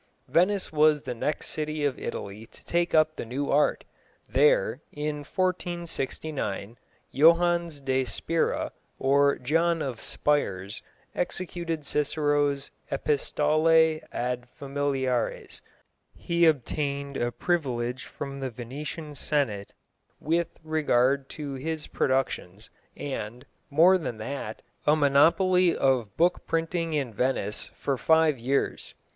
Venice was the next city of Italy to take up the new art. There, in 1469, Joannes de Spira, or John of Spires, executed Cicero's Epistolæ ad Familiares. He obtained a privilege from the Venetian Senate with regard to his productions, and, more than that, a monopoly of book printing in Venice for five years.